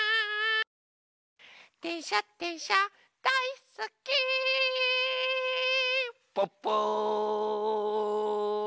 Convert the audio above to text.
「でんしゃでんしゃだいすっき」プップー！